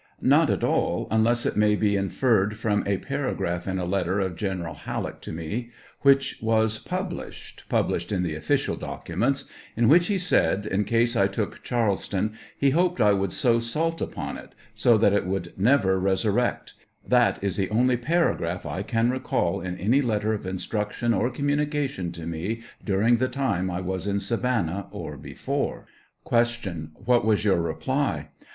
Ifot at all, unless it may be inferred from a para graph in a letter of General HaMeck to me, which was published — ^published in the official documents — ^in which he said in case I took Charleston he hoped I would sow salt upon it, go that it would never resur rect; that is the only paragraph I can recall in any letter of instruction or communication to me during the time I was in Savannah or before.. Q. What was your reply